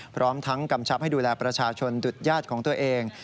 พร้อมทั้งกำชับให้ดูแลประชาชนดุดญาติของตัวเอง